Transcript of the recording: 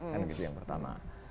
kan itu yang pertama